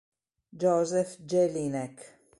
Josef Jelinek